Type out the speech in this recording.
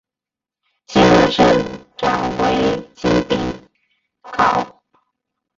现任社长为金炳镐。